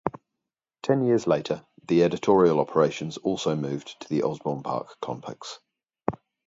Ten years later, the editorial operations also moved to the Osborne Park complex.